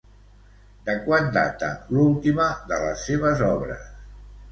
De quan data l'última de les seves obres?